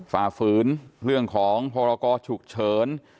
ฝ่าฝืนเรื่องของพรกรฉุกเฉิน